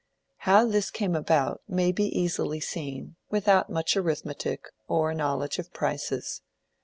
How this came about may be easily seen without much arithmetic or knowledge of prices.